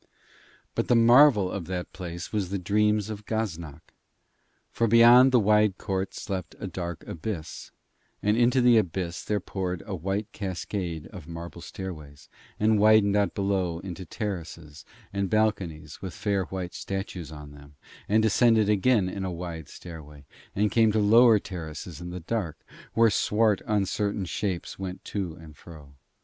But the marvel of that place was the dreams of Gaznak; for beyond the wide court slept a dark abyss, and into the abyss there poured a white cascade of marble stairways, and widened out below into terraces and balconies with fair white statues on them, and descended again in a wide stairway, and came to lower terraces in the dark, where swart uncertain shapes went to and fro.